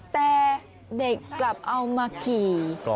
แต่เด็กกลับเอามาขี่